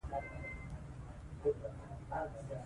ـ يا خپل کور يا خپل ګور.